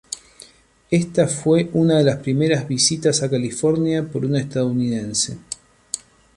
Esta fue una de las primeras visitas a California por un estadounidense.